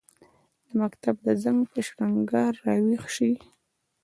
د مکتب د زنګ، په شرنګهار راویښ شي